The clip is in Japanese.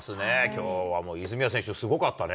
きょうはもう、泉谷選手、すごかったね。